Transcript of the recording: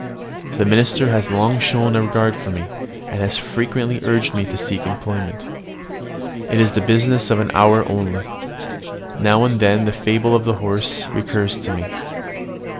The minister has long shown a regard for me, and has frequently urged me to seek employment. It is the business of an hour only. Now and then the fable of the horse recurs to me.